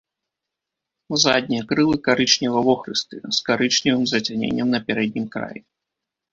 Заднія крылы карычнева-вохрыстыя, з карычневым зацяненнем на пярэднім краі.